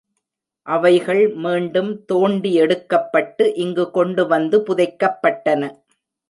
அவைகள் மீண்டும் தோண்டி எடுக்கப்பட்டு, இங்குக் கொண்டு வந்து புதைக்கப்பட்டன.